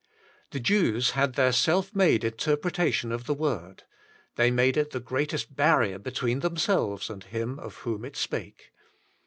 The Jews had their self made inter pretation of the Word: they made it the greatest barrier between themselves and Him of whom it spake.